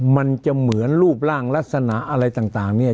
มันจะเหมือนรูปร่างลักษณะอะไรต่างเนี่ย